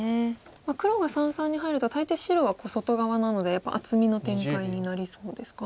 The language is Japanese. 黒が三々に入ると大抵白は外側なのでやっぱり厚みの展開になりそうですか？